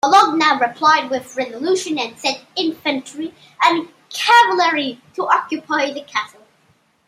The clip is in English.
Bologna replied with resolution and sent infantry and cavalry to occupy the castle.